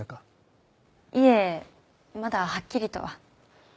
いえまだはっきりとは。